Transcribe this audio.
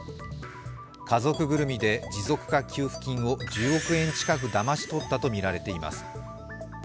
家族ぐるみで、持続化給付金を１０億円近くをだまし取ったとみられています。